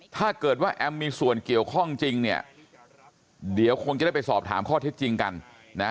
ถ้าเกิดว่าแอมมีส่วนเกี่ยวข้องจริงเนี่ยเดี๋ยวคงจะได้ไปสอบถามข้อเท็จจริงกันนะ